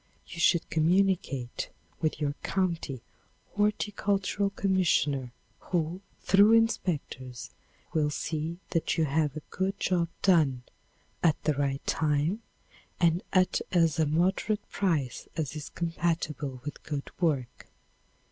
You should communicate with your county horticultural commissioner, who, through inspectors, will see that you have a good job done, at the right time and at as moderate price as is compatible with good work.